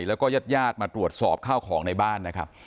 แล้วก็ญาติญาติมาตรวจสอบข้าวของในบ้านนะครับ